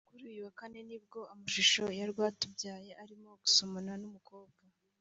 Kuri uyu wa Kane ni bwo amashusho ya Rwatubyaye arimo gusomana n’umukobwa